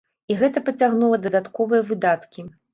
І гэта пацягнула дадатковыя выдаткі.